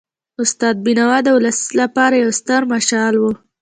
استاد بینوا د ولس لپاره یو ستر مشعل و.